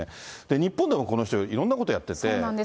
日本でもこの人、いろんなことやそうなんです。